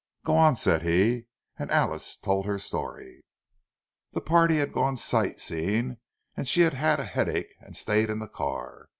"Go on," said he; and Alice told her story. The party had gone sight seeing, and she had had a headache and had stayed in the car.